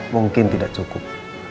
mungkin tidak cukup